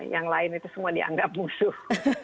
yang lain itu semua dianggap musuh